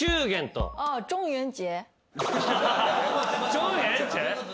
チョンエンチェ？